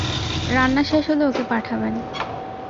রান্না শেষ হলে ওকে পাঠাবেন।